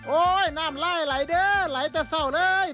น้ำไล่ไหลเด้อไหลแต่เศร้าเลย